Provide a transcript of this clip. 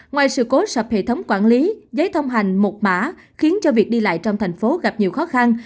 ngoài sự cố sập hệ thống quản lý giấy thông hành một mã khiến cho việc đi lại trong thành phố gặp nhiều khó khăn